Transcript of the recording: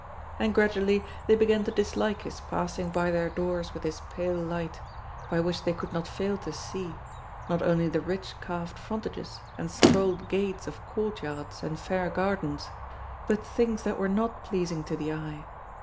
And gradually they began to dislike his passing by their doors with his pale light, by which they could not fail to see, not only the rich carved frontages and scrolled gates of courtyards and fair gardens, but things that were not pleasing to the eye.